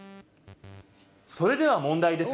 それでは問題です。